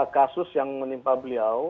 kasus yang menimpa beliau